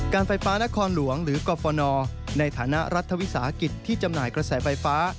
ไฟฟ้านครหลวงหรือกรฟนในฐานะรัฐวิสาหกิจที่จำหน่ายกระแสไฟฟ้า